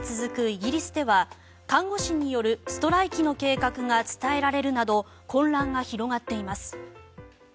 イギリスでは看護師によるストライキの計画が伝えられるなど混乱が広がっています。